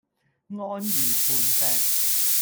安如磐石